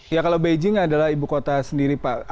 ya kalau beijing adalah ibu kota sendiri pak